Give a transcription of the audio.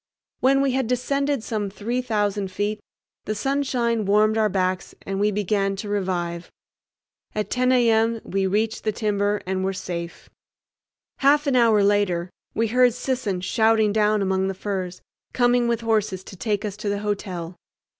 When we had descended some three thousand feet the sunshine warmed our backs and we began to revive. At 10 a.m. we reached the timber and were safe. Half an hour later we heard Sisson shouting down among the firs, coming with horses to take us to the hotel.